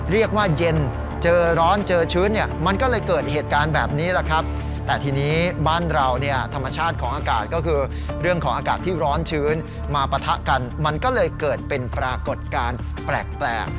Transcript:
เย็นเจอร้อนเจอชื้นเนี่ยมันก็เลยเกิดเหตุการณ์แบบนี้แหละครับแต่ทีนี้บ้านเราเนี่ยธรรมชาติของอากาศก็คือเรื่องของอากาศที่ร้อนชื้นมาปะทะกันมันก็เลยเกิดเป็นปรากฏการณ์แปลก